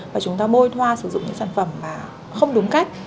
và chúng ta bôi thoa sử dụng những sản phẩm mà không đúng cách